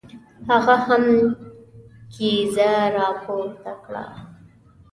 هغه هم کیزه را پورته کړه.